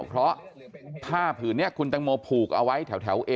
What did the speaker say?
เพราะผ้าผืนนี้คุณตังโมผูกเอาไว้แถว๑